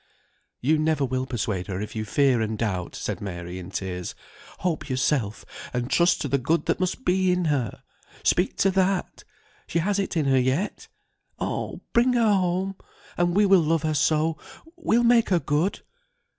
"You never will persuade her if you fear and doubt," said Mary, in tears. "Hope yourself, and trust to the good that must be in her. Speak to that, she has it in her yet, oh, bring her home, and we will love her so, we'll make her good."